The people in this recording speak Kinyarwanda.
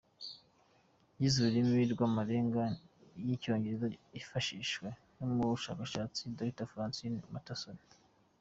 Yize ururimi rw’amarenga y’Icyongereza ibifashijwemo n’umushakashatsi Dr Francine Patterson.